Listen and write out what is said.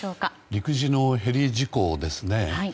陸自のヘリ事故ですね。